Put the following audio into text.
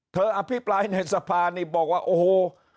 อภิปรายในสภานี่บอกว่าโอ้โห